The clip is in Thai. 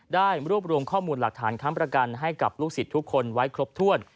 ได้รวบรวมข้อมูลหลักฐานค้ำประกันให้กับลูกศิษย์ทุกคนไว้ครบถ้วน